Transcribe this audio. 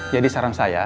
jadi saran saya